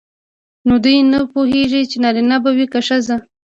نو دوی نه پوهیږي چې نارینه به وي که ښځه.